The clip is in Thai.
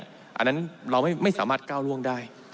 อันนั้นเราไม่สามารถก้าวล่วงได้